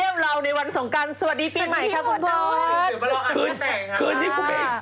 สวัสดีปีใหม่ค่ะพี่โพธ